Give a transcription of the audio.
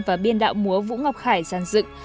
và biên đạo múa vũ ngọc khải giàn dựng